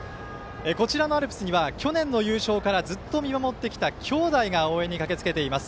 こちらのアルプスには去年の優勝からずっと見守ってきたきょうだいが応援に駆けつけています。